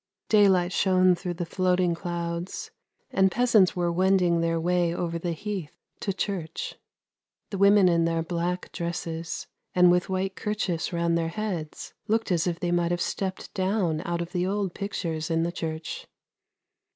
Day light shone through the floating clouds, and peasants were wend ing their way over the heath to church. The women in their black dresses, and with white kerchiefs round their heads, looked as if they might have stepped down out of the old pictures in the church.